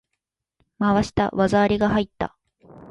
回した！技ありが入った！